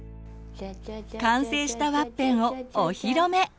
完成したワッペンをお披露目！